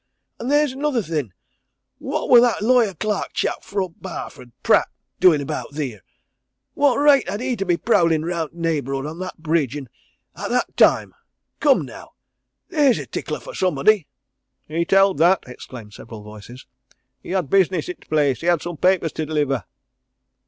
An' theer's another thing what wor that lawyer clerk chap fro' Barford Pratt doin' about theer? What reight had he to be prowlin' round t' neighbourhood o' that bridge, and at that time? Come, now! theer's a tickler for somebody." "He telled that," exclaimed several voices. "He had business i' t' place. He had some papers to 'liver."